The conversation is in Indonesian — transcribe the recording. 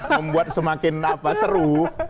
membuat semakin apa seru